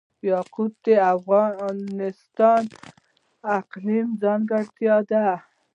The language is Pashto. یاقوت د افغانستان د اقلیم ځانګړتیا ده.